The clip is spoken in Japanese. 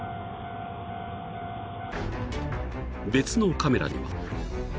［別のカメラには］